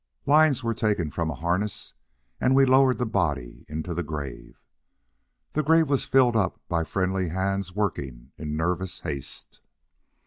Lines were taken from a harness, and we lowered the body into the grave. The grave was filled up by friendly hands working in nervous haste.